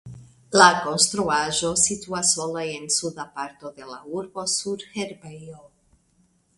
La konstruaĵo situas sola en suda parto de la urbo sur herbejo.